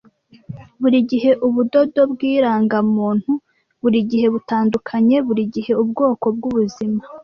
Burigihe ubudodo bwirangamuntu, burigihe butandukanye, burigihe ubwoko bwubuzima.